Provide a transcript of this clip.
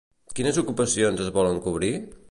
Quines ocupacions es volen cobrir?